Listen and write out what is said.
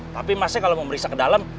tapi masnya kalau mau meriksa ke dalam